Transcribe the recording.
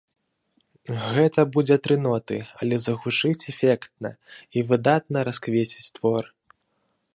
Гэта будзе тры ноты, але загучыць эфектна і выдатна расквеціць твор.